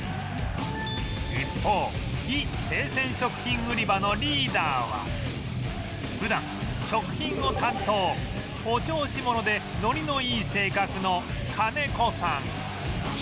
一方非生鮮食品売り場のリーダーは普段食品を担当お調子者でノリのいい性格の金子さん